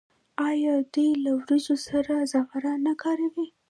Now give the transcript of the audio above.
آیا دوی له وریجو سره زعفران نه کاروي؟